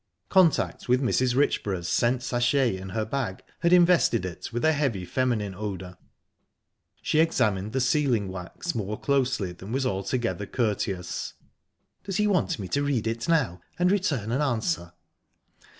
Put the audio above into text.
Contact with Mrs. Richborough's scent sachet in her bag had invested it with a heavy feminine odour. She examined the sealing wax more closely than was altogether courteous. "Does he want me to read it now, and return an answer?"